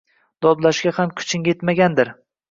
Dodlashga ham kuching yetmagandir.